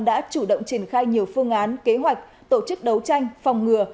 đã chủ động triển khai nhiều phương án kế hoạch tổ chức đấu tranh phòng ngừa